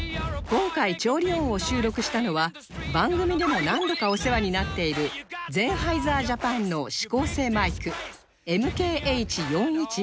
今回調理音を収録したのは番組でも何度かお世話になっているゼンハイザージャパンの指向性マイク ＭＫＨ４１６